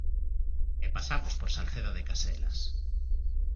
E pasamos por Salceda de Caselas.